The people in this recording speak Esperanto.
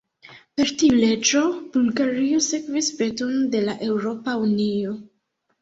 Per tiu leĝo Bulgario sekvis peton de la Eŭropa Unio.